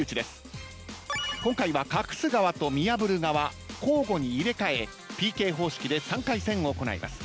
今回は隠す側と見破る側交互に入れ替えＰＫ方式で３回戦行います。